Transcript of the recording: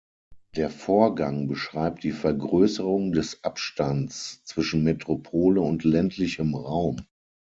Der Vorgang beschreibt die Vergrößerung des Abstands zwischen Metropole und ländlichem Raum.